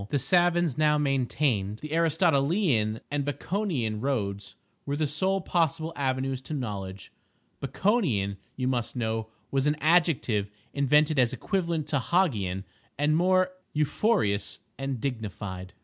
The savans now maintained the Aristotelian and Baconian roads were the sole possible avenues to knowledge. "Baconian," you must know, was an adjective invented as equivalent to Hog ian and more euphonious and dignified.